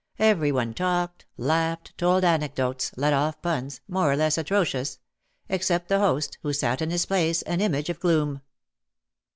Every one talked, laughed, told anecdotes, let off puns, more or less atrocious — except the host, who sat in his place an image of gloom.